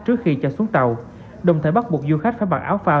trước khi cho xuống tàu đồng thời bắt buộc du khách phải mặc áo phao